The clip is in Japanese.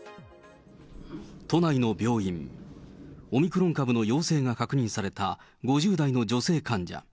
都内の病院、オミクロン株の陽性が確認された５０代の女性患者。